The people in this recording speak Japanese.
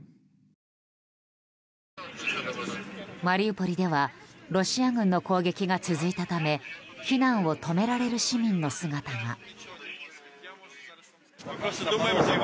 マリウポリではロシア軍の攻撃が続いたため避難を止められる市民の姿が。